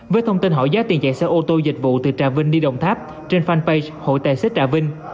với thông tin hỏi giá tiền chạy xe ô tô dịch vụ từ trà vinh đi đồng tháp trên fanpage hội tài xế trà vinh